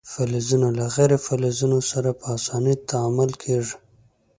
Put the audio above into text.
فلزونه له غیر فلزونو سره په اسانۍ تعامل کوي.